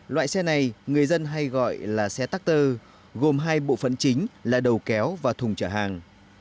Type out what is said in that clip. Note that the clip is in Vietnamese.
loại xe này người dân hay gọi là xe tắc tơ gồm hai bộ phận chính là đầu kéo và thùng trở hàng